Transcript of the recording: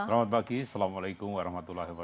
selamat pagi assalamualaikum wr wb